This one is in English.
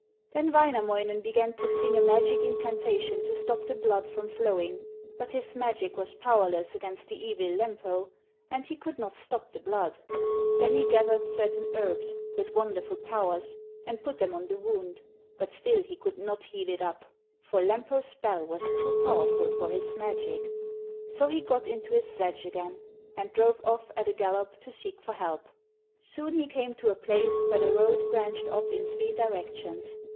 Then Wainamoinen began to sing a magic incantation to stop the blood from flowing, but his magic was powerless against the evil Lempo, and he could not stop the blood. Then he gathered certain herbs with wonderful powers, and put them on the wound, but still he could not heal it up, for Lempo's spell was too powerful for his magic. So he got into his sledge again, and drove off at a gallop to seek for help. Soon he came to a place where the road branched off in three directions.